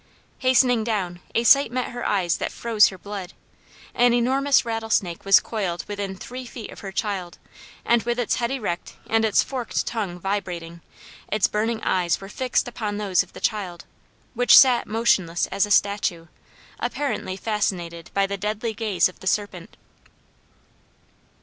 Hastening down, a sight met her eyes that froze her blood. An enormous rattlesnake was coiled within three feet of her child, and with its head erect and its forked tongue vibrating, its burning eyes were fixed upon those of the child, which sat motionless as a statue, apparently fascinated by the deadly gaze of the serpent.